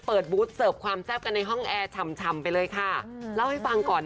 เปิดฟุดเสิร์ฟความแซ่บกันในห้งแอเร์ชำไปเลยค่ะ